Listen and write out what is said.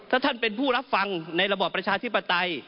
ถ้าท่านเป็นผู้รับฟังในระบอบประชาธิปไตย